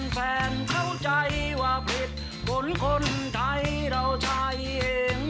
เข้าใจว่าผิดบนคนไทยเราใช้เอง